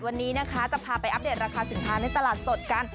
วันนี้นะคะจะพาไปอัปเดตราคาสินค้าในตลาดสดกัน